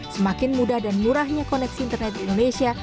semakin mudah dan murahnya koneksi internet di indonesia